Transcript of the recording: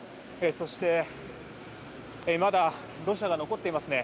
そしてまだ土砂が残っていますね。